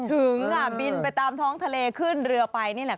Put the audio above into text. ถึงค่ะบินไปตามท้องทะเลขึ้นเรือไปนี่แหละค่ะ